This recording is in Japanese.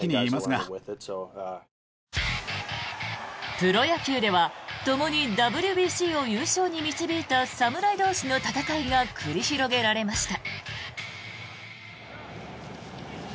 プロ野球ではともにＷＢＣを優勝に導いた侍同士の戦いが繰り広げられました。